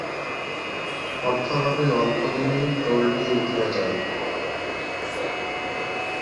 অর্থাভাবে অল্প দিনেই টোলটি উঠিয়া যায়।